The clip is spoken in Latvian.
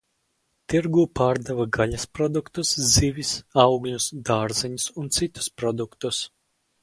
Tirgū pārdeva gaļas produktus, zivis, augļus, dārzeņus un citus produktus.